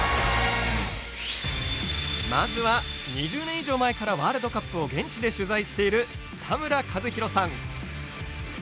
まずは、２０年以上前からワールドカップを現地で取材している田村一博さん。